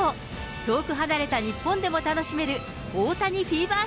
遠く離れた日本でも楽しめる大谷フィーバー